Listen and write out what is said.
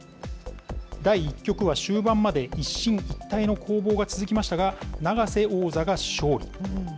第１局は終盤まで一進一退の攻防が続きましたが、永瀬王座が勝利。